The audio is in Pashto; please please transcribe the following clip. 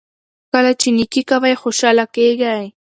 کله چې نیکي کوئ خوشحاله کیږئ.